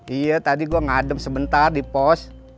iya tadi gue ngadem sebentar di pos